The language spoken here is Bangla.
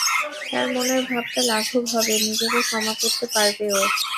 তার মনের ভারটা লাঘব হবে, নিজেকে ক্ষমা করতে পারবে ও।